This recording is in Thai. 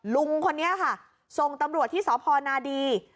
ลุงคนนี้ค่ะส่งตำรวจที่สพนาดี